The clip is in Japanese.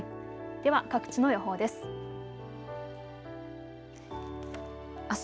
では各地の予報です。